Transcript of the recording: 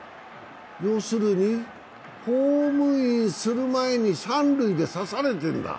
要するに、ホームインする前に三塁で刺されてるんだ。